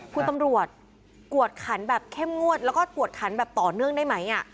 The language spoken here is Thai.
คุณตำรวจกวดขันแบบเข้มงวดแล้วก็กวดขันแบบต่อเนื่องได้ไหม